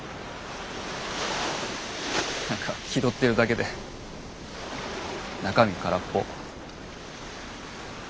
何か気取ってるだけで中身カラッポ。